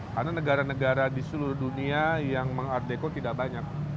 karena negara negara di seluruh dunia yang mengart deco tidak banyak